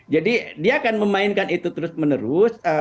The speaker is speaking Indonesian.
dia akan memainkan itu terus menerus